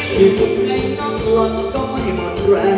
ดีฟุนไงอมโหลดก็ไม่ปี่แม่นแสน